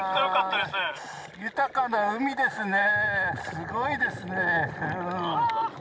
すごいですね。